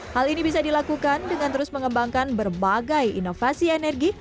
hal ini bisa dilakukan dengan terus mengembangkan berbagai inovasi energi